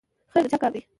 خیر د چا کار دی؟